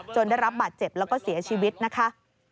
ได้รับบาดเจ็บแล้วก็เสียชีวิตนะคะ